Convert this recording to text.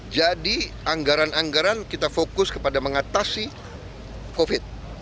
jadi anggaran anggaran kita fokus kepada mengatasi covid